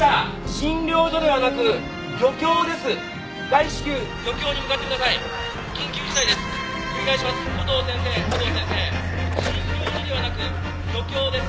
診療所ではなく漁協です。